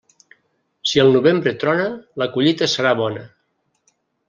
Si al novembre trona, la collita serà bona.